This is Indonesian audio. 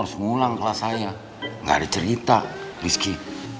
tidak ada cerita rizky